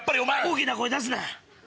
大きな声出すな。